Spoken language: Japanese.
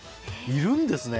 いるんですね。